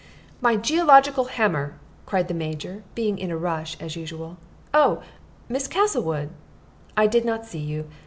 "My geological hammer!" cried the Major, being in a rush as usual. "Oh, Miss Castlewood! I did not see you.